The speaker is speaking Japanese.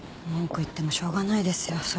文句言ってもしょうがないですよ。